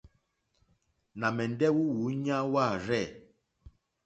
Nà mɛ̀ndɛ́ wúǔɲá wârzɛ̂.